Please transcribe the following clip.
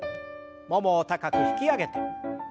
ももを高く引き上げて。